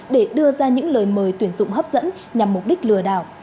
để đưa ra những lời mời tuyển dụng hấp dẫn nhằm mục đích lừa đảo